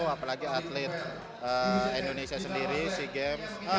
apalagi atlet indonesia sendiri seagames